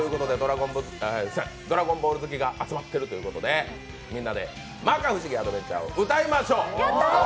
「ドラゴンボール」好きが集まっているということで、みんなで「摩訶不思議アドベンチャー！」を歌いましょう。